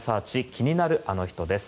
気になるアノ人です。